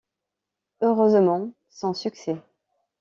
Heureusement, sans succès.